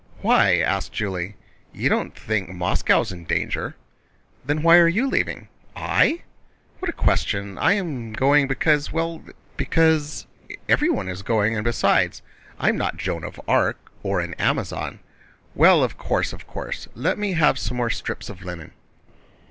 "Why?" asked Julie. "You don't think Moscow is in danger?" "Then why are you leaving?" "I? What a question! I am going because... well, because everyone is going: and besides—I am not Joan of Arc or an Amazon." "Well, of course, of course! Let me have some more strips of linen."